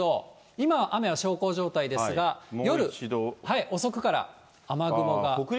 今、雨は小康状態ですが、夜遅くから、雨雲が。